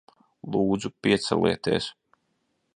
Lūdzu, piecelieties.